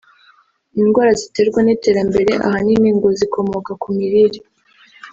Indwara ziterwa n’iterambere ahanini ngo zikomoka ku mirire